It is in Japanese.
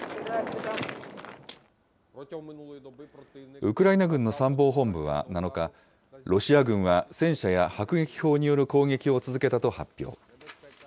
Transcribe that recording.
ウクライナ軍の参謀本部は７日、ロシア軍は戦車や迫撃砲による攻撃を続けたと発表。